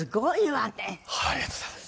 ありがとうございます。